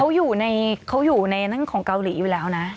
เขาอยู่ในเขาอยู่ในนั้นของเกาหลีอยู่แล้วนะ